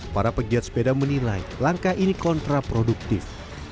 para pegiat sepeda menilai langkah ini kontraproduktif